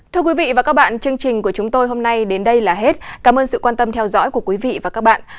thưa quý vị và các bạn chương trình của chúng tôi hôm nay đến đây là hết cảm ơn sự quan tâm theo dõi của quý vị và các bạn